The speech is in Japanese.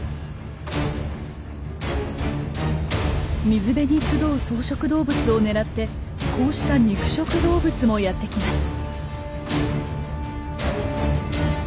水辺に集う草食動物を狙ってこうした肉食動物もやって来ます。